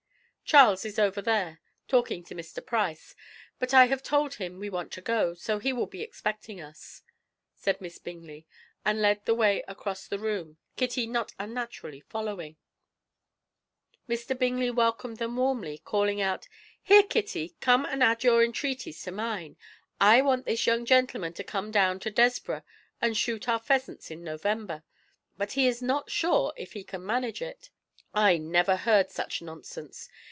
"Charles is over there, talking to Mr. Price, but I have told him we want to go, so he will be expecting us," said Miss Bingley, and led the way across the room, Kitty not unnaturally following. Mr. Bingley welcomed them warmly, calling out: "Here, Kitty, come and add your entreaties to mine. I want this young gentleman to come down to Desborough and shoot our pheasants in November, but he is not sure if he can manage it; I never heard such nonsense.